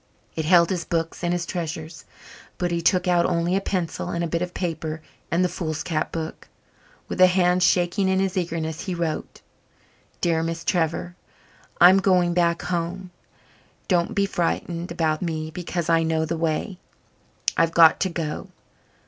It held his books and his treasures, but he took out only a pencil, a bit of paper and the foolscap book. With a hand shaking in his eagerness, he wrote: dear miss Trever _Im going back home, dont be fritened about me because I know the way. Ive got to go.